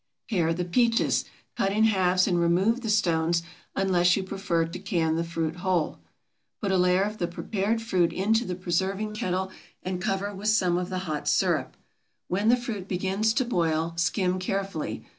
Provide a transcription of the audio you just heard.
Pare the peaches, cut in halves, and remove the stones, unless you prefer to can the fruit whole. Put a layer of the prepared fruit into the preserving kettle and cover with some of the hot sirup. When the fruit begins to boil, skim carefully.